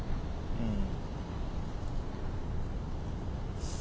うん。